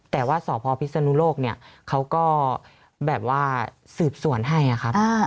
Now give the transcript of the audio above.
แต่ว่าสพพิศนุโลกเนี่ยเขาก็แบบว่าสืบสวนให้ครับ